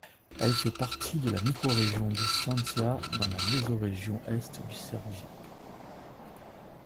Elle fait partie de la microrégion d'Estância, dans la mésorégion Est du Sergipe.